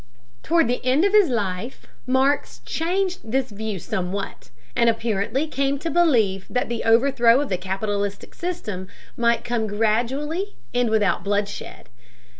Toward the end of his life, Marx changed this view somewhat, and apparently came to believe that the overthrow of the capitalistic system might come gradually and without bloodshed.